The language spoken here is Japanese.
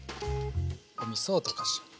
おみそを溶かします。